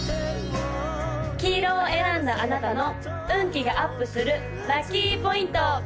黄色を選んだあなたの運気がアップするラッキーポイント！